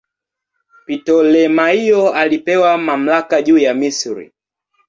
Ptolemaio alipewa mamlaka juu ya Misri.